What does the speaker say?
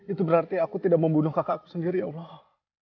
itu berarti aku tidak membunuh kakakku sendiri ya allah